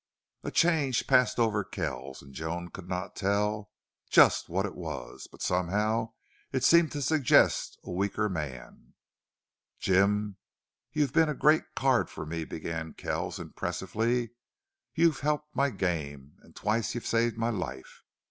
A change passed over Kells, and Joan could not tell just what it was, but somehow it seemed to suggest a weaker man. "Jim, you've been a great card for me," began Kells, impressively. "You've helped my game and twice you saved my life.